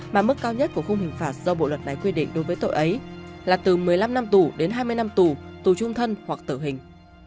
mà mức cao nhất của khung hình phạt do bộ luật này quy định đối với tội ấy là từ một mươi năm năm tù đến hai mươi năm tù tù trung thân hoặc tử hình